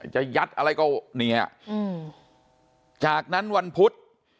จะยัดอะไรก็เนี่ยจากนั้นวันพุธ